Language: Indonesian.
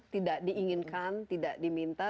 tidak diinginkan tidak diminta